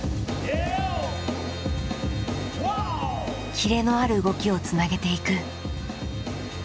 キレのある動きをつなげていく。